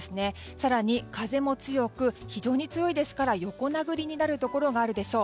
更に風も強く非常に強いですから横殴りになるところがあるでしょう。